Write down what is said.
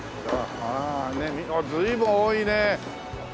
ああ随分多いね。